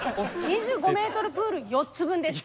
２５ｍプール４つ分です。